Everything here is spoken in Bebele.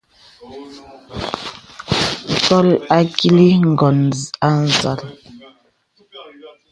Ǹkɔl àkìŋ ngɔn à nzàl.